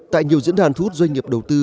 tại nhiều diễn đàn thu hút doanh nghiệp đầu tư